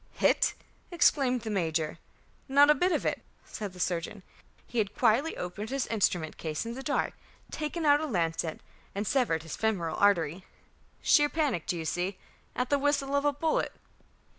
"Hit?" exclaimed the major. "Not a bit of it," said the surgeon. "He had quietly opened his instrument case in the dark, taken out a lancet, and severed his femoral artery. Sheer panic, do you see, at the whistle of a bullet."